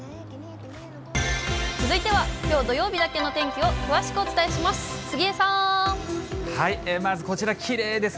続いては、きょう土曜日だけの天気を詳しくお伝えします。